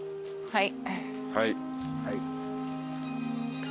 はい。